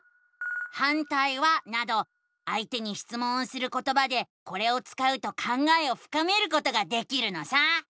「反対は？」などあいてにしつもんをすることばでこれを使うと考えをふかめることができるのさ！